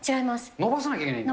伸ばさなきゃいけないんだ。